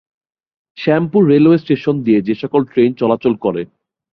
Shyampur railway station দিয়ে যেসকল train চলাচল করে।